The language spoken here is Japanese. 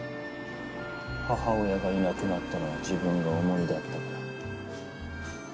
母親がいなくなったのは自分が重荷だったから。